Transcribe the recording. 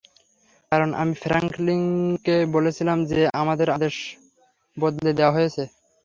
কারণ আমি ফ্র্যাঙ্কলিনকে বলেছিলাম যে আমাদের আদেশ বদলে দেওয়া হয়েছে।